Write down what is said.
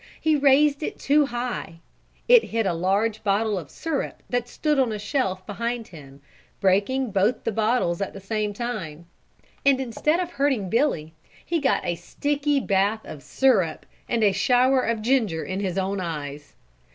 He raised it too high; it hit a large bottle of syrup that stood on a shelf behind him, breaking both bottles at the same time, and instead of hurting Billy, he got a sticky bath of syrup and a shower of ginger in his own eyes.